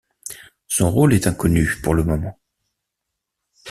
Son rôle est inconnu pour le moment.